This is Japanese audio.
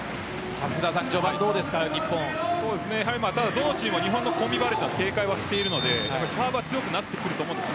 どのチームも日本のコンビバレーを警戒しているのでサーブは強くなってくると思うんです。